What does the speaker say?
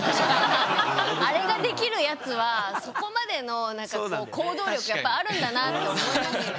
あれができるやつはそこまでの何かこう行動力やっぱあるんだなって思いますね。